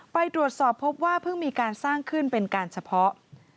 ไปตรวจสอบพบว่าเพิ่งมีการสร้างขึ้นเป็นการเฉพาะ